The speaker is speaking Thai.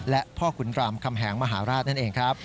และพ่อขุนรามคำแหงมหาราชนั่นเองครับ